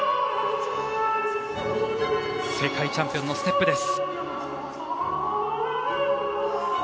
世界チャンピオンのサポートです。